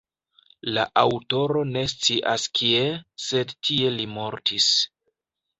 La aŭtoro ne scias kie, sed tie li mortis.